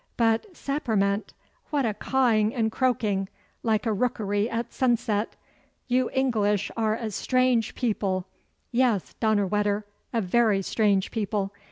'But, sapperment, what a cawing and croaking, like a rookery at sunset! You English are a strange people yes, donnerwetter, a very strange people!